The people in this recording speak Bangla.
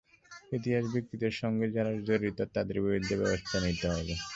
ইতিহাস বিকৃতির সঙ্গে যারা যারা জড়িত, তাদের বিরুদ্ধে ব্যবস্থা নিতে হবে।